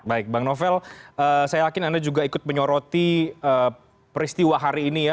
baik bang novel saya yakin anda juga ikut menyoroti peristiwa hari ini ya